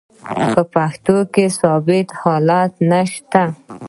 په پښتو کښي ثابت حالت نسته.